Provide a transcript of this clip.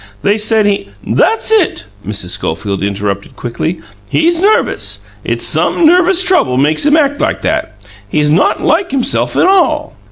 They said he " "That's it!" Mrs. Schofield interrupted quickly. "He's nervous. It's some nervous trouble makes him act like that. He's not like himself at all."